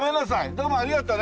どうもありがとうね。